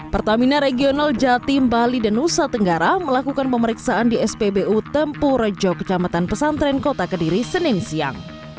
pertamina regional jatim bali dan nusa tenggara melakukan pemeriksaan di spbu tempur rejo kecamatan pesantren kota kediri senin siang